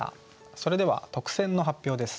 それでは特選の発表です。